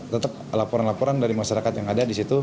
tetap laporan laporan dari masyarakat yang ada di situ